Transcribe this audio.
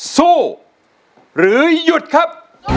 สู้หรือหยุดครับ